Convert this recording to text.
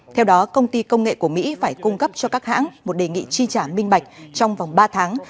theo đó công ty công nghệ của mỹ phải cung cấp cho các hãng một đề nghị chi trả minh bạch trong vòng ba tháng